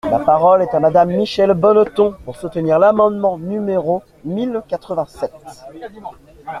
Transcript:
La parole est à Madame Michèle Bonneton, pour soutenir l’amendement numéro mille quatre-vingt-sept.